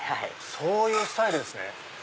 そういうスタイルですね。